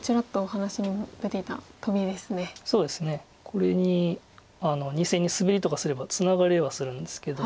これに２線にスベリとかすればツナがれはするんですけど。